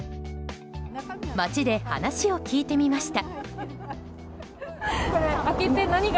街で話を聞いてみました。